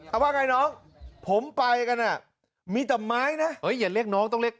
เอาว่าไงน้องผมไปกันอ่ะมีแต่ไม้นะเฮ้ยอย่าเรียกน้องต้องเรียก